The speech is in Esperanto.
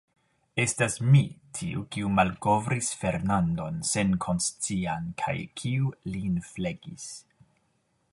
Estas mi tiu, kiu malkovris Fernandon senkonscian, kaj kiu lin flegis.